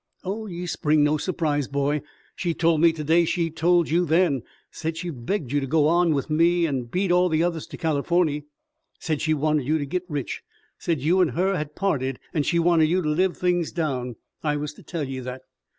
"Oh, ye spring no surprise, boy! She told me to day she'd told you then; said she'd begged you to go on with me an' beat all the others to Californy; said she wanted you to git rich; said you an' her had parted, an' she wanted you to live things down. I was to tell ye that.